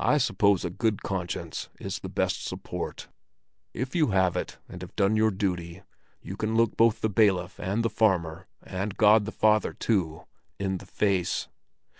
"I suppose a good conscience is the best support. If you have it and have done your duty, you can look both the bailiff and the farmer —and God the Father, too—in the face.